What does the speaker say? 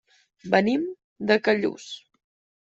Venim de Callús.